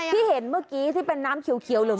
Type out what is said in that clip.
ที่เห็นเมื่อกี้ที่เป็นน้ำเขียวเหลือง